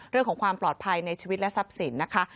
เรื่องของความปลอดภัยในชีวิตและทรัพย์สินนะคะ